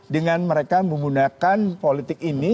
dengan mereka menggunakan politik ini